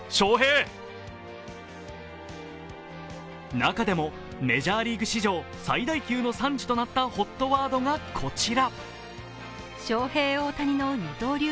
中でも、メジャーリーグ史上最大級の賛辞となったホットワードがこちら。